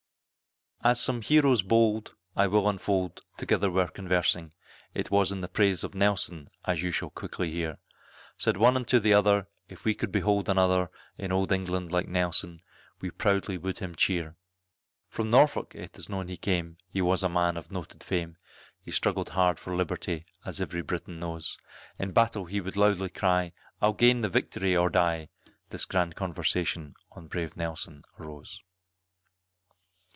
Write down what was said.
As some heroes bold, I will unfold, together were conversing, It was in the praise of Nelson, as you shall quickly hear; Said one unto the other, if we could behold another, In old England like Nelson, we proudly would him cheer. From Norfolk it is known he came, he was a man of noted fame, He struggled hard for liberty, as every Briton knows, In battle he would loudly cry, I'll gain the victory or die, This grand conversation on brave Nelson arose.